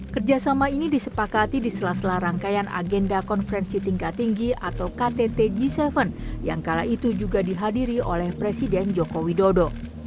kerjasama ini disepakati di sela sela rangkaian agenda konferensi tingkat tinggi atau ktt g tujuh yang kala itu juga dihadiri oleh presiden joko widodo